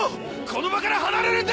この場から離れるんだ！